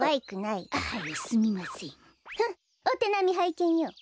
ふんっおてなみはいけんよ！